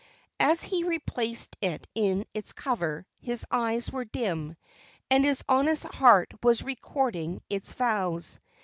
As he replaced it in its cover his eyes were dim, and his honest heart was recording its vows.